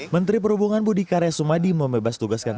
menteri perhubungan budi karya sumadi membebas tugaskan